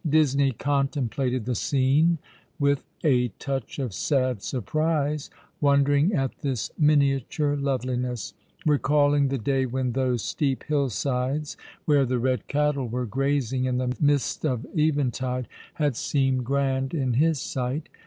Disney contemplated the scene with a touch of sad surprise, wondering at this miniature loveliness ; recallicg the day when those steep hillsides, where the red cattle were grazing in the mists of eventide, had seemed grand in his sight.